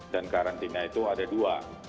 dan karantina itu ada dua